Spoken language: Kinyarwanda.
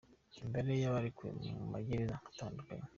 Imibare y’abarekuwe mu ma gereza atandukanye: